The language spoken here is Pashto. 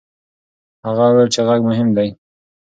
هغه وویل چې غږ مهم دی.